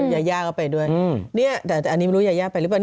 ยาย่าก็ไปด้วยแต่อันนี้ไม่รู้ยายาไปหรือเปล่า